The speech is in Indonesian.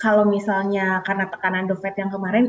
kalau misalnya karena tekanan dovet yang kemarin